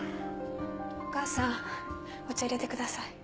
お母さんお茶入れてください。